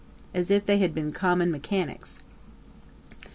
as if they had been common mechanicks.